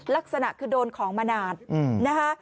ลักษณะคือโดนของมานานนะคะ